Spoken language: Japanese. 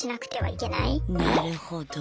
なるほど。